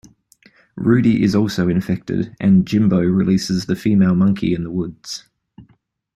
Rudy is also infected, and "Jimbo" releases the female monkey in the woods.